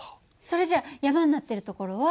それじゃ山になってるところは。